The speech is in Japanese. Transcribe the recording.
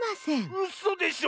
うそでしょ